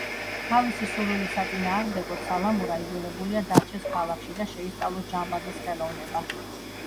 თავისი სურვილის საწინააღმდეგოდ სალამურა იძულებულია, დარჩეს ქალაქში და შეისწავლოს ჯამბაზის ხელოვნება.